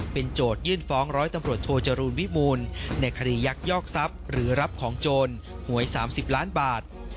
เป็นโจทยื่นฟ้องร้อยตำรวจโทจรูลวิมูลในคดียักยอกทรัพย์หรือรับของโจรหวย๓๐ล้านบาท